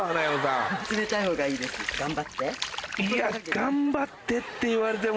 いや頑張ってって言われても。